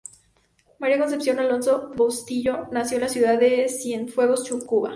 María Concepción Alonso Bustillo nació en la ciudad de Cienfuegos, Cuba.